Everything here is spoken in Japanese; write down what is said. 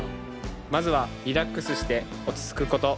まずはリラックスして落ち着くこと。